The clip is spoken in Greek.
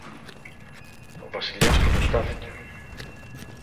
Ο Βασιλιάς κοντοστάθηκε.